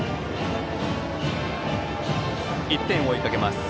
１点を追いかけます